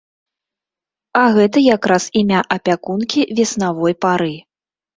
А гэта якраз імя апякункі веснавой пары.